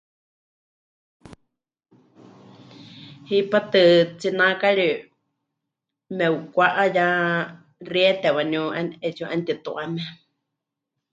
Hipátɨ tsináakari mepɨkwá'a ya xiete waníu 'enu... 'eetsiwa 'enutituame.